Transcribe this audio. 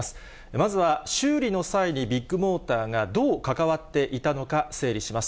まずは修理の際に、ビッグモーターがどうかかわっていたのか、整理します。